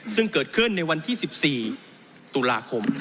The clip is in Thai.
ซึ่งเกิดขึ้นในวันที่๑๔ตุลาคม